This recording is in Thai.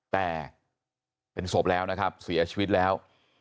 แต่เป็นศพแล้วนะครับเสียชีวิตแล้ว